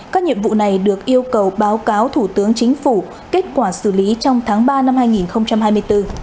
các nhiệm vụ này được yêu cầu báo cáo thủ tướng chính phủ kết quả xử lý trong tháng ba năm hai nghìn hai mươi bốn